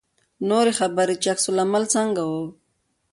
نورې خبرې مې چې عکس العمل څنګه و.